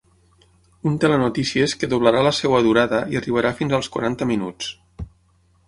Un telenotícies que doblarà la seva durada i arribarà fins als quaranta minuts.